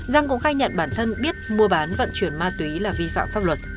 giang cũng khai nhận bản thân biết mua bán vận chuyển ma túy là vi phạm pháp luật